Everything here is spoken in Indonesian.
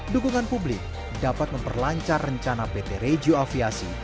dukungan publik dapat memperlancar rencana pt regio aviasi